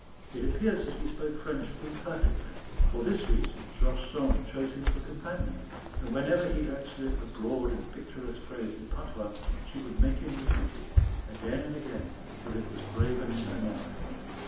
It appears that he spoke French imperfectly; for this reason George Sand chose him for companion, and whenever he let slip a broad and picturesque phrase in patois, she would make him repeat it again and again till it was graven in her memory.